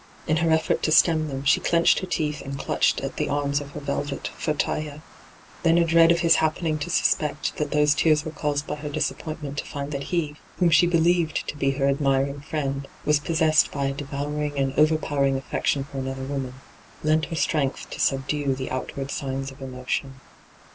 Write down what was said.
In her effort to stem them, she clenched her teeth and clutched at the arms of her velvet &uteuil. Then 14—3 212 ENTRAPPED a dread of his happeniog to suspeot that those tears were caused by her disappointment to find that he, whom she believed to be her admiring fi^end, was possessed by a devouring and overpowering affection for another woman, lent her strength to subdue the outward signs of emotion.